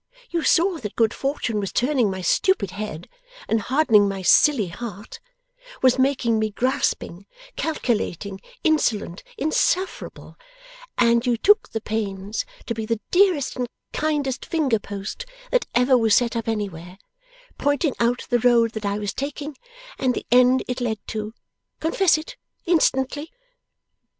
You saw that good fortune was turning my stupid head and hardening my silly heart was making me grasping, calculating, insolent, insufferable and you took the pains to be the dearest and kindest fingerpost that ever was set up anywhere, pointing out the road that I was taking and the end it led to. Confess instantly!